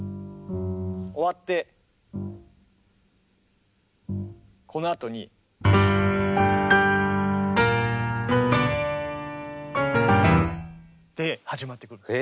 終わってこのあとに。って始まっていくんです。